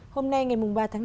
hôm nay ngày ba tháng năm